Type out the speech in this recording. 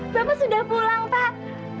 bapak sudah pulang pak